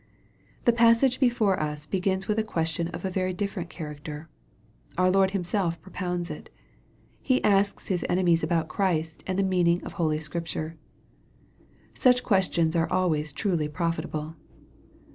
The pas sage before us begins with a question of a very different character. Onr Lord Himself propounds it. He aska His enemies about Christ and the meaning of Holy Scripture. Such questions are always truly profitable.